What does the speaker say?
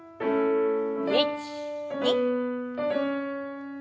１２。